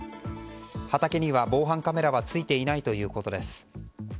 畑には防犯カメラはついていないということです。